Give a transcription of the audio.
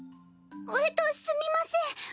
えっとすみません